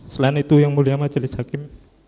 selain itu yang mulia majelis hakim